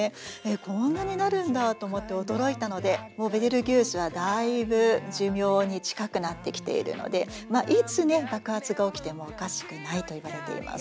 こんなになるんだと思って驚いたのでもうベテルギウスはだいぶ寿命に近くなってきているのでいつね爆発が起きてもおかしくないといわれています。